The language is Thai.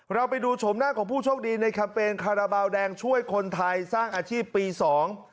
เราไปดูชมหน้าของผู้โชคดีในแคมเปญคาราบาลแดงช่วยคนไทยสร้างอาชีพปีสอง